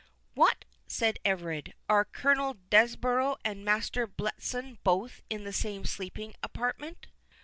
"What!" said Everard, "are Colonel Desborough and Master Bletson both in the same sleeping apartment?"